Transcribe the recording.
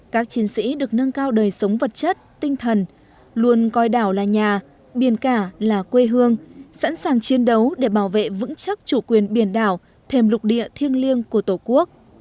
các chiến sĩ được nâng cao đời sống vật chất tinh thần luôn coi đảo là nhà biển cả là quê hương sẵn sàng chiến đấu để bảo vệ vững chắc chủ quyền biển đảo thêm lục địa thiêng liêng của tổ quốc